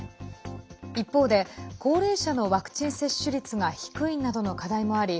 一方で高齢者のワクチン接種率が低いなどの課題もあり